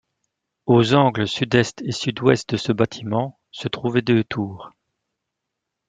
Aux angles sud-est et sud-ouest de ce bâtiment, se trouvaient deux tours.